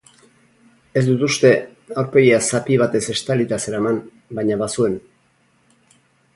Ez dut uste, aurpegia zapi batez estalia zeraman, baina bazuen.